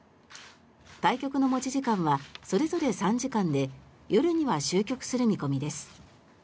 対局の持ち時間はそれぞれ３時間で夜には終局する見込みです。